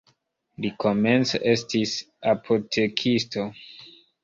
Li komence estis apotekisto.